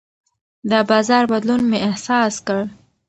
د بازار بدلون مې احساس کړ.